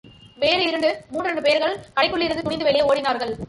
வேறு இரண்டு மூன்று பேர்கள் கடைக்குள்ளிருந்து துணிந்து வெளியே ஓடினார்கள்.